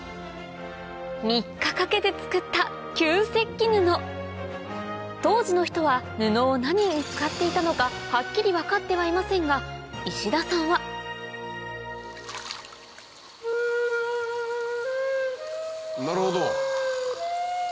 ３日かけて作った旧石器布当時の人は布を何に使っていたのかはっきり分かってはいませんが石田さんはなるほど。